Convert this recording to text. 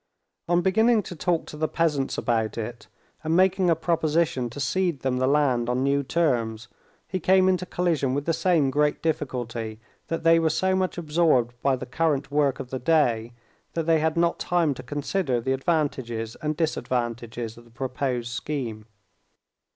On beginning to talk to the peasants about it, and making a proposition to cede them the land on new terms, he came into collision with the same great difficulty that they were so much absorbed by the current work of the day, that they had not time to consider the advantages and disadvantages of the proposed scheme.